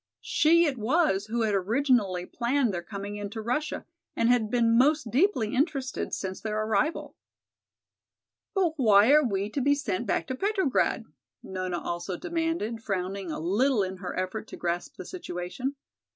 She it was who had originally planned their coming into Russia and had been most deeply interested since their arrival. "But why are we to be sent back to Petrograd?" Nona also demanded, frowning a little in her effort to grasp the situation.